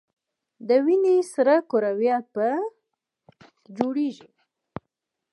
د وینې سره کرویات په ... کې جوړیږي.